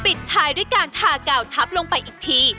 ปิดท้ายด้วยการทาเก่าทับลงไปอีกที